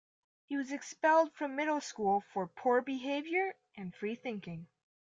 He was expelled from middle school for poor behavior and free-thinking.